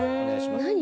何？